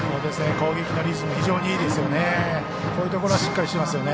攻撃のリズム非常にいいですよね。